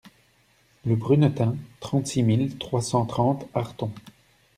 Le Brunetin, trente-six mille trois cent trente Arthon